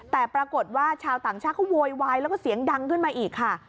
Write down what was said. แต่ปรากฏว่าชาวต่างชาติเขาโวยวายแล้วก็เสียงดังขึ้นมาอีกค่ะ